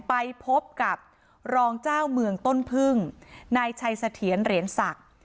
ไปพบกับรองเจ้าเมืองต้นพึ่งนายชัยเสถียรเหรียญศักดิ์